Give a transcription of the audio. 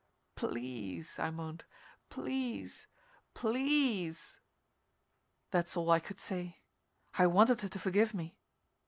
"Please!" I moaned. "Please! Please!" That's all I could say. I wanted her to forgive me.